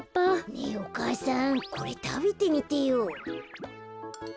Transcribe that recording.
ねえお母さんこれたべてみてよ。